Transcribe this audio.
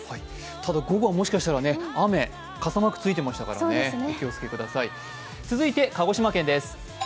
ただ午後はもしかしたら雨、傘マークついてましたからお気をつけください続いて鹿児島県です。